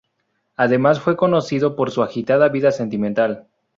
Además fue conocido por su agitada vida sentimental.